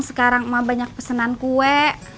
sekarang mah banyak pesenan kue